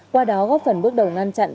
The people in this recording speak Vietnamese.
qua đó góp phần bước đầu ngăn chặn